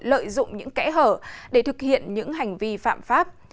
lợi dụng những kẽ hở để thực hiện những hành vi phạm pháp